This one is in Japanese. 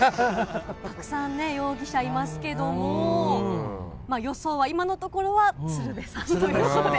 たくさんね、容疑者いますけれども、予想は今のところは鶴瓶さんということで。